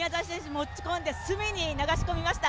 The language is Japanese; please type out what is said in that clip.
持ち込んで隅に流し込みました。